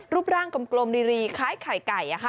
รูปร่างกลมรีคล้ายไข่ไก่